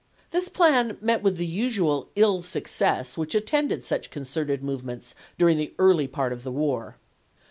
This plan met with the usual ill success which attended such con certed movements during the early part of the war.